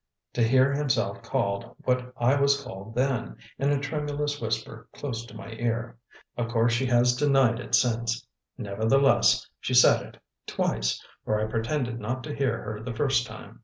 to hear himself called what I was called then, in a tremulous whisper close to my ear. Of course she has denied it since; nevertheless, she said it twice, for I pretended not to hear her the first time.